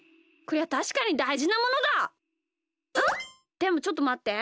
でもちょっとまって。